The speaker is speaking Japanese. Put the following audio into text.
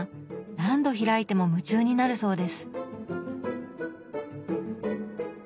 何度開いても夢中になるそうです。